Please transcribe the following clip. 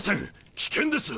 危険です！